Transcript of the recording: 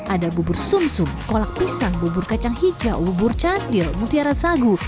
ada bubur sum sum kolak pisang bubur kacang hijau bubur candil mutiara sagu